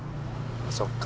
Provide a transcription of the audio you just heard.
そっか。